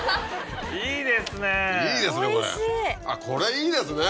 いいですね